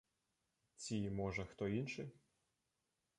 Ці, можа, хто іншы?